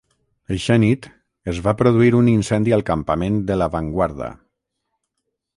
Eixa nit, es va produir un incendi al campament de l'avantguarda.